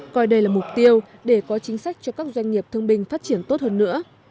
coi đây là mục tiêu để có chính sách cho các doanh nghiệp thương binh phát triển tốt hơn nữa